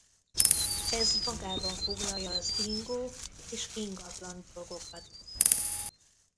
Ez magában foglalja az ingó és ingatlan dolgokat.